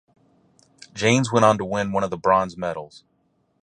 Jaynes went on to win one of the bronze medals.